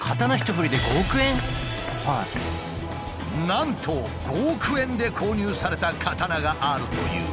なんと５億円で購入された刀があるという。